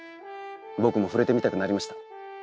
僕も触れてみたくなりました。